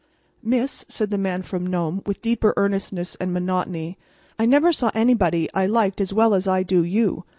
"Miss," said the Man from Nome, with deeper earnestness and monotony, "I never saw anybody I liked as well as I do you.